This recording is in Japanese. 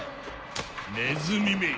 ネズミめ！